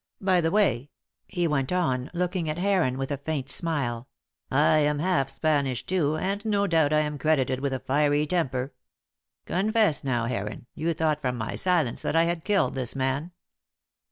By the way," he went on, looking at Heron with a faint smile. "I am half Spanish, too, and no doubt I am credited with a fiery temper Confess, now, Heron, you thought from my silence that I had killed this man?"